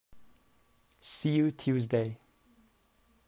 See you Tuesday!